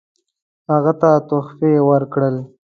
هغه ته تحفې ورکړل.